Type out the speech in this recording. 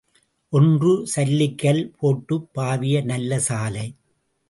ஒன்று, சல்லிக்கல் போட்டுப் பாவிய நல்ல சாலை.